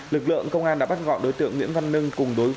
lực lượng công an đã bắt gọi đối tượng nguyễn văn nưng